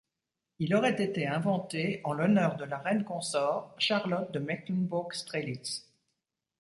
Il aurait été inventé en l'honneur de la reine consort Charlotte de Mecklembourg-Strelitz.